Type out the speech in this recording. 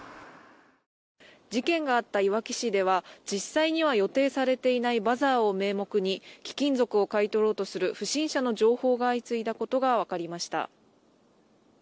事件があったいわき市では実際には予定されていないバザーを名目に貴金属を買い取ろうとする不審者の情報が相次いだことが分かりました。